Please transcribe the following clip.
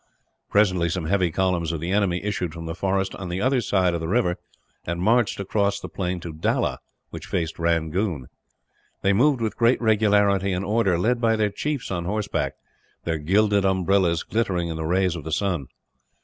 Presently some heavy columns of the enemy issued from the forest, on the other side of the river; and marched across the plain to Dalla, which faced Rangoon. They moved with great regularity and order, led by their chiefs on horseback, their gilded umbrellas glittering in the rays of the sun.